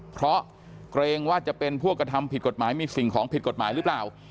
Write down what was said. เพราะเกรงว่าจะเป็นพวกกระทำผิดกฎหมายมีสิ่งของผิดกฎหมายหรือเปล่า